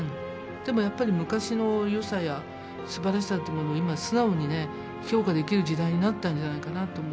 でもやっぱり昔の良さやすばらしさっていうものを今素直にね評価できる時代になったんじゃないかなと思うんです。